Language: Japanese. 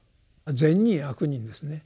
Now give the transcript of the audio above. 「善人」「悪人」ですね。